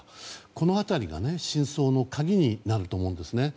この辺りが真相の鍵になると思うんですね。